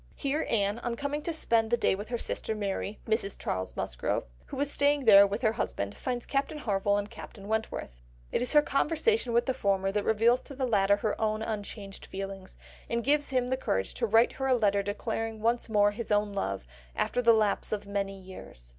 Here Anne, on coming to spend the day with her sister Mary, Mrs. Charles Musgrove, who is staying there with her husband, finds Captain Harville and Captain Wentworth. It is her conversation with the former that reveals to the latter her own unchanged feelings, and gives him the courage to write her a letter declaring once more his own love, after the lapse of many years.